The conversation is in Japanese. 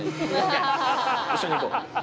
一緒に行こう。